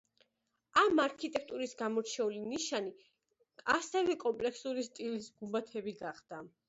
ამ არქიტექტურის გამორჩეული ნიშანი ასევე კომპლექსური სტილის გუმბათები გახდა.